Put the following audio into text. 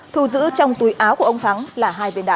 thu giữ trong túi áo của ông thắng là hai viên đá